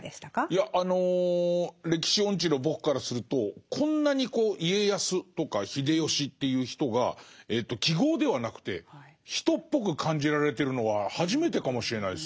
いやあの歴史音痴の僕からするとこんなに家康とか秀吉という人が記号ではなくて人っぽく感じられてるのは初めてかもしれないです。